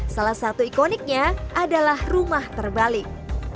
salah satu ikoniknya adalah rumah terbalik